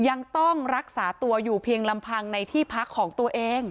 ยังต้องรักษาตัวอยู่เพียงลำพังในที่พักของตัวเอง